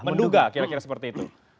menduga kira kira seperti itu